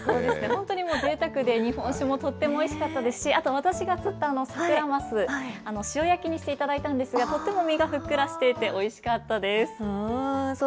本当にぜいたくで、日本酒もとってもおいしかったですし、あと、私が釣ったサクラマス、塩焼きにして頂いたんですが、とっても身がふっくらしていておいしかったです。